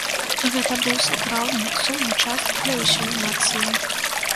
Гэта быў сапраўды сумны час для ўсёй нацыі.